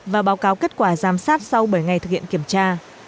và báo cáo kết quả giám sát sau bảy ngày thực hiện kiểm tra